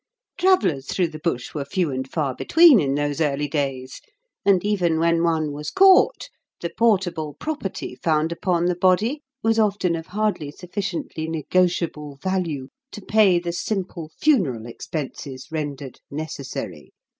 Travellers through the bush were few and far between in those early days; and, even when one was caught, the portable property found upon the body was often of hardly sufficiently negotiable value to pay the simple funeral expenses rendered necessary.